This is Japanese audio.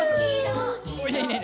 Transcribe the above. いいねいいね！